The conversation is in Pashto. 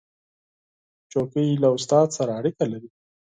چوکۍ له استاد سره اړیکه لري.